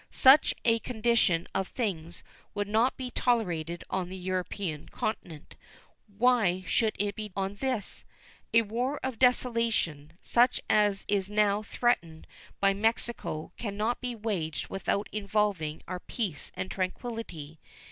Such a condition of things would not be tolerated on the European continent. Why should it be on this? A war of desolation, such as is now threatened by Mexico, can not be waged without involving our peace and tranquillity.